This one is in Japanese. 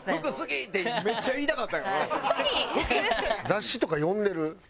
雑誌とか読んでる？